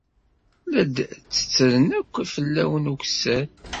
La d-ttettren akk fell-awen ukessar.